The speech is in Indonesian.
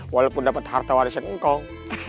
walaupun dapat harta warisan engkong